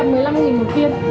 cái đấy là một mươi năm một viên